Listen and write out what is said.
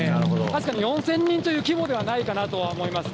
確かに４０００人という規模ではないかなと思います。